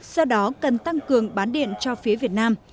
do đó cần tăng cường bán điện cho phía việt nam